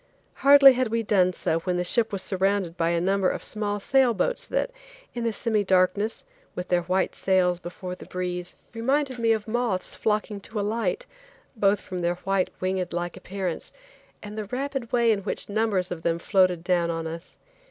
Hardly had we done so when the ship was surrounded by a number of small sail boats that, in the semi darkness, with their white sails before the breeze, reminded me of moths flocking to a light, both from their white, winged like appearance, and the rapid way in which numbers of them floated down on us.